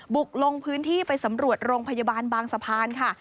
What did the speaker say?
ลงพื้นที่ไปสำรวจโรงพยาบาลบางสะพานค่ะ